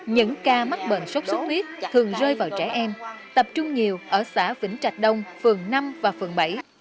những ca mắc bệnh sốt xuất huyết thường rơi vào trẻ em tập trung nhiều ở xã vĩnh trạch đông phường năm và phường bảy